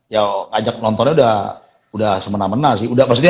ya ngajak nontonnya udah semena mena sih